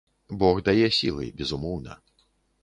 Бог дае сілы, безумоўна.